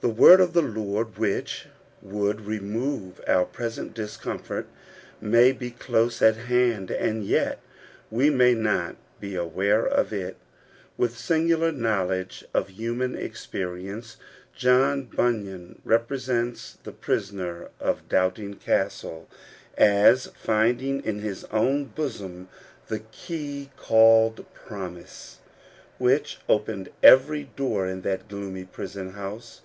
The word of the Lord which would remove our present discomfort may be close at hand^ and yet we may not be aware of it. With singular knowl edge of human experience, John Bunyan represents the prisoner of Doubting Castle as finding in his own bosom the key called Promise, which opened every door in that gioomy prison house.